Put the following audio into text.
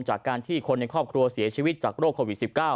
จากการที่คนในครอบครัวเสียชีวิตจากโรคโควิด๑๙